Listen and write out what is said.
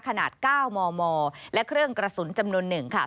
ขนาด๙มมและเครื่องกระสุนจำนวน๑ค่ะ